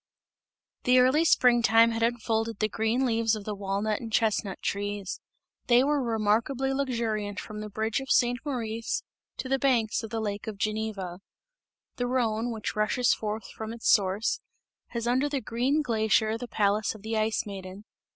The early spring time had unfolded the green leaves of the walnut and chestnut trees; they were remarkably luxuriant from the bridge of St. Maurice to the banks of the lake of Geneva. The Rhone, which rushes forth from its source, has under the green glacier the palace of the Ice Maiden.